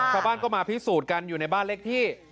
ชาวบ้านก็มาพิสูจน์กันอยู่ในบ้านเลขที่